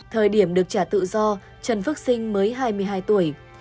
thời điểm được trả tự do trần phước sinh mới hai mươi hai tuổi